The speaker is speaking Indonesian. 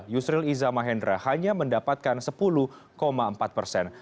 yusril iza mahendra hanya mendapatkan sepuluh empat persen